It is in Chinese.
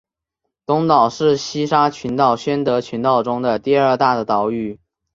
东岛是西沙群岛宣德群岛中的第二大的岛屿。